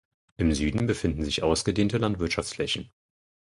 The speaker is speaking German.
Im Süden befinden sich ausgedehnte Landwirtschaftsflächen.